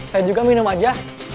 saya juga minum aja